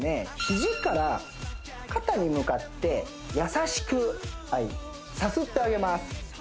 ヒジから肩に向かって優しくさすってあげます